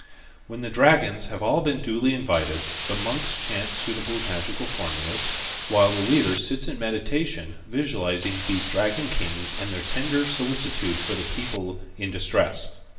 When the dragons have all been duly invited, the monks chant suitable magical formulas, while the leader sits in meditation visualizing these dragon kings and their tender solicitude for the people in distress.